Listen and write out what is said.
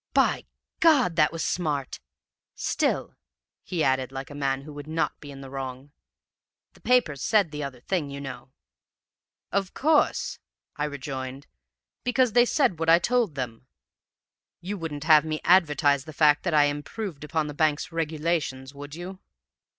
"'By God! That was smart! Still,' he added, like a man who would not be in the wrong, 'the papers said the other thing, you know!' "'Of course,' I rejoined, 'because they said what I told them. You wouldn't have had me advertise the fact that I improved upon the bank's regulations, would you?'